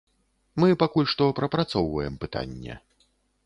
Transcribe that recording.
Мы пакуль што прапрацоўваем пытанне.